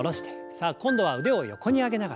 さあ今度は腕を横に上げながら。